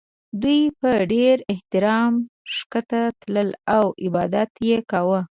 دوی په ډېر احترام ښکته تلل او عبادت یې کاوه.